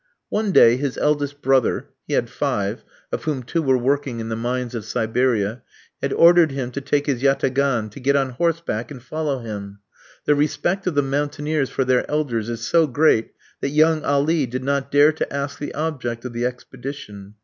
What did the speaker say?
One day his eldest brother he had five, of whom two were working in the mines of Siberia had ordered him to take his yataghan, to get on horseback, and follow him. The respect of the mountaineers for their elders is so great that young Ali did not dare to ask the object of the expedition.